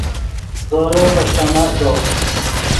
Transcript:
زورے فݰٹینڤدو